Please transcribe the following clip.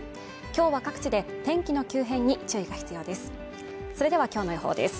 今日は各地で天気の急変に注意が必要です